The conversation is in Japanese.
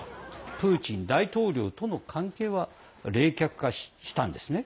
プーチン大統領との関係は冷却化したんですね。